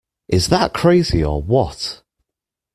Is that crazy or what?